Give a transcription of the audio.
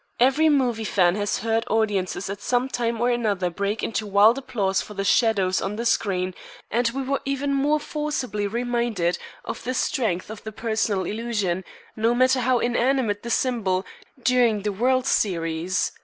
Every movie fan has heard audiences at some time or another break into wild applause for the shadows on the screen, and we were even more forcibly reminded of the strength of the personal illusion, no matter how inanimate the symbol, during the world's series.